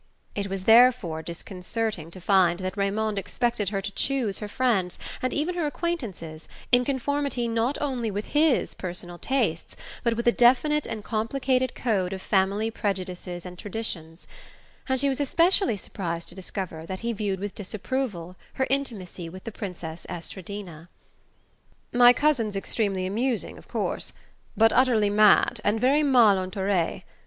It was therefore disconcerting to find that Raymond expected her to choose her friends, and even her acquaintances, in conformity not only with his personal tastes but with a definite and complicated code of family prejudices and traditions; and she was especially surprised to discover that he viewed with disapproval her intimacy with the Princess Estradina. "My cousin's extremely amusing, of course, but utterly mad and very mal entourée.